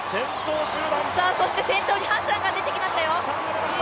そして先頭にハッサンが出てきましたよ！